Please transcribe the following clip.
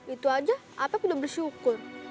itu aja aku udah bersyukur